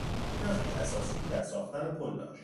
او نقشی اساسی در ساختن پل داشت.